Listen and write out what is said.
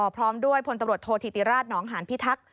พร้อมด้วยพลตำรวจโทษธิติราชหนองหานพิทักษ์